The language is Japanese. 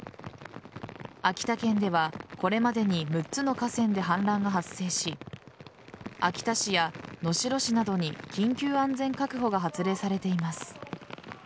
秋田県ではこれまでに６つの河川で氾濫が発生し秋田市や能代市などに緊急安全確保が発令されています。